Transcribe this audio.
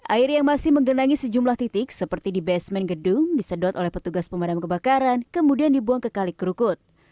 air yang masih menggenangi sejumlah titik seperti di basement gedung disedot oleh petugas pemadam kebakaran kemudian dibuang ke kalik kerukut